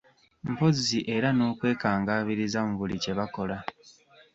Mpozi era n'okwekangabiriza mu buli kye bakola.